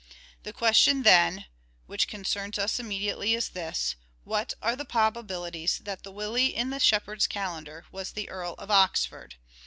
The question, then, which concerns us immediately is this : what are the probabilities that the " Willie " in " The Shepherd's Calender " was the Earl of Oxford